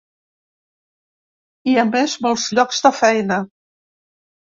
I, a més, molts llocs de feina.